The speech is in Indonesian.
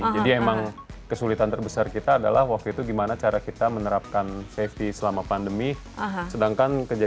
jakarta atau di jakarta itu bisa di mana mana ya